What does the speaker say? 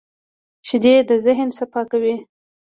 شیدې د ذهن صفا کوي